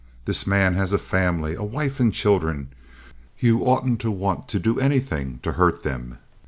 "This man has a family—a wife and children, Ye oughtn't to want to do anythin' to hurt them.